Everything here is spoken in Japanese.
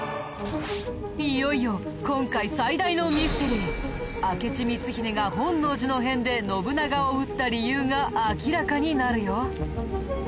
いよいよ今回最大のミステリー明智光秀が本能寺の変で信長を討った理由が明らかになるよ。